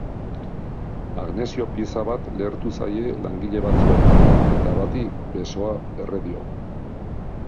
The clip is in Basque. Magnesio pieza bat lehertu zaie langile batzuei, eta bati besoa erre dio.